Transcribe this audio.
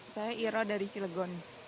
saya iroh dari cilegon